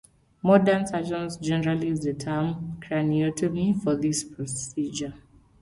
Modern surgeons generally use the term "craniotomy" for this procedure.